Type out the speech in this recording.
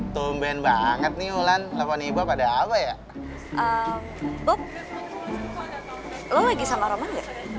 lovers gua lagi sama romanya udah ber sapang